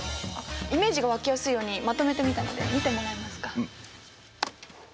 イメージが湧きやすいようにまとめてみたので見てもらえますか？